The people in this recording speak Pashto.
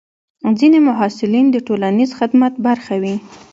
ځینې محصلین د ټولنیز خدمت برخه وي.